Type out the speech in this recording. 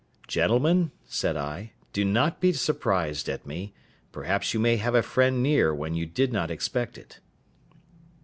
"Gentlemen," said I, "do not be surprised at me; perhaps you may have a friend near when you did not expect it."